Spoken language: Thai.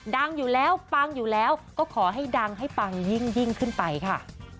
ดังอยู่แล้วปังอยู่แล้วก็ขอให้ดังให้ปังยิ่งขึ้นไปค่ะ